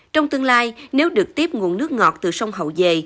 trong tương lai nếu được tiếp nguồn nước ngọt từ sông hậu dề